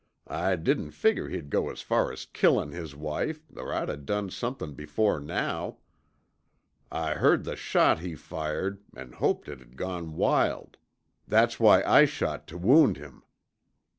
I didn't figure he'd go as far as killin' his wife or I'd o' done somethin' before now. I heard the shot he fired an' hoped it'd gone wild that's why I shot tuh wound him."